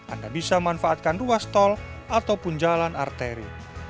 anda bisa manfaatkan ruas tol ataupun jalan arteri